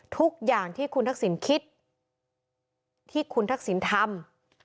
ทุกอย่างที่คุณทักษิณคิดที่คุณทักษิณทำ